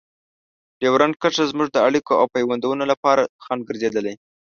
ډیورنډ کرښه زموږ د اړیکو او پيوندونو لپاره خنډ ګرځېدلې.